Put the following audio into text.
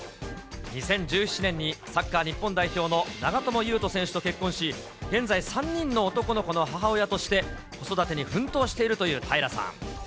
２０１７年にサッカー日本代表の長友佑都選手と結婚し、現在３人の男の子の母親として、子育てに奮闘しているという平さん。